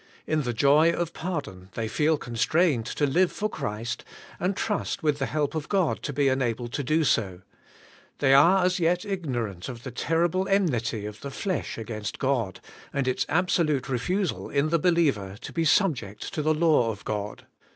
In the joy of pardon, they feel con strained to live for Christ, and trust with the help of God to be enabled to do so. They are as yet ignorant AND NOT IN SELF. " 215 of the terrible enmity of the flesh against God, and its absolute refusal in the believer to be subject to the law of God.